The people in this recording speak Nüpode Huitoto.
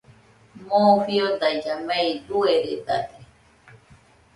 Moo fiodailla mei dueredade